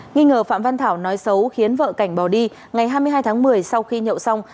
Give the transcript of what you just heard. nghi ngờ phạm văn thảo nói xấu khiến vợ cảnh bỏ đi ngày hai mươi hai tháng một mươi sau khi nhậu xong